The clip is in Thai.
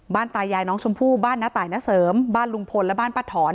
ตายายน้องชมพู่บ้านน้าตายณเสริมบ้านลุงพลและบ้านป้าถอน